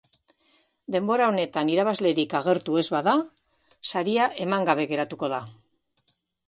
Denbora honetan irabazlerik agertu ez bada, saria eman gabe geratuko da.